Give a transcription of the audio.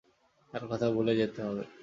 তার কথা ভুলে যেতে হবে।